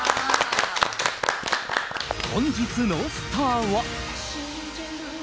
本日のスターは。